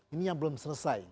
ini yang belum selesai